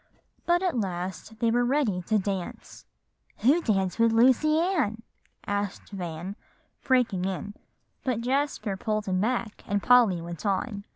But at last they were ready to dance." "Who danced with Lucy Ann?" asked Van, breaking in; but Jasper pulled him back, and Polly went on.